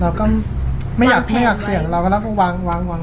เราก็ไม่อยากเสี่ยงเราแล้วก็วางแผนไว้